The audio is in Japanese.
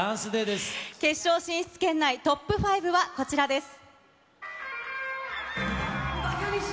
決勝進出圏内トップ５はこちらです。